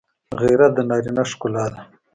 غیرت د نارینه ښکلا ده